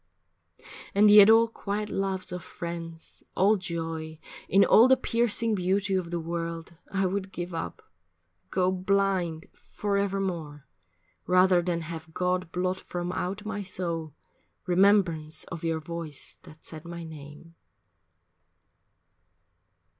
And yet all quiet loves of friends, all joy In all the piercing beauty of the world I would give up go blind forevermore, Rather than have God blot from out my soul Remembrance of your voice that said my name.